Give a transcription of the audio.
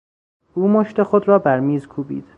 او مشت خود را بر میز کوبید.